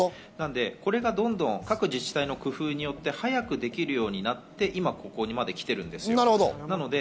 これがどんどん各自治体の工夫によって早くできるようになって今ここまで来てるんですよ。